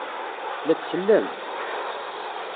La tsellemt?